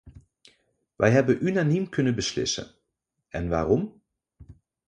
Wij hebben unaniem kunnen beslissen, en waarom?